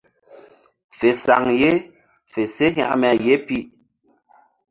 Fe saŋ ye fe se hekme ye pi.